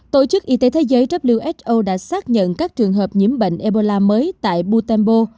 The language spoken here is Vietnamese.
tổ chức y tế thế giới who đã xác nhận các trường hợp nhiễm bệnh ebola mới tại bustambo